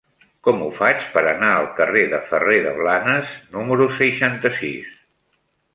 Com ho faig per anar al carrer de Ferrer de Blanes número seixanta-sis?